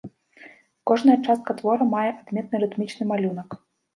Кожная частка твора мае адметны рытмічны малюнак.